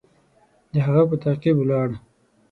د هغه په تعقیب ولاړ.